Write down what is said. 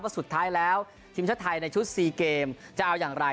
สุดท้ายแล้วทีมชาติไทยในชุด๔เกมจะเอาอย่างไร